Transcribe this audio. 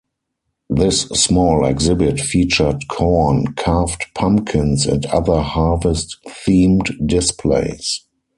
This small exhibit featured corn, carved pumpkins and other harvest-themed displays.